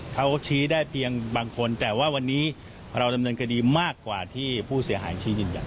เขาชี้ได้เพียงบางคนแต่ว่าวันนี้เราดำเนินคดีมากกว่าที่ผู้เสียหายชี้ยืนยัน